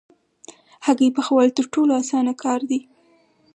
هګۍ پخول تر ټولو اسانه کار دی.